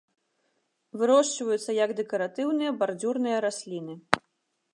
Вырошчваюцца як дэкаратыўныя бардзюрныя расліны.